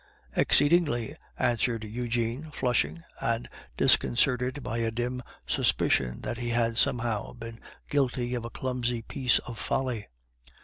"Exceedingly," answered Eugene, flushing, and disconcerted by a dim suspicion that he had somehow been guilty of a clumsy piece of folly.